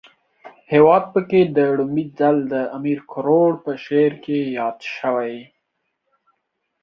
هیواد پکی په ړومبی ځل د امیر کروړ په شعر کې ياد شوی